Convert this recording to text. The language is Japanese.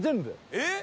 えっ！